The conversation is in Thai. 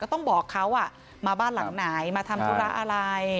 ต้องบอกเขามาบ้านหลังไหนมาทำธุระอะไร